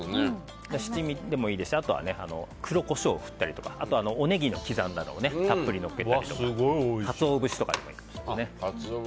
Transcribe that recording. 七味でもいいですし黒コショウを振ったりとかあとはネギ刻んだのをたっぷりのっけたりカツオ節とかでもいいですね。